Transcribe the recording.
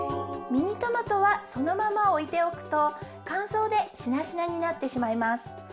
ミニトマトはそのままおいておくとかんそうでしなしなになってしまいます。